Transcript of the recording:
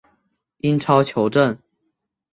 英超球证